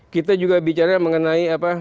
kita juga bicara mengenai apa